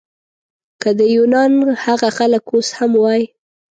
که د یونان هغه خلک اوس هم وای.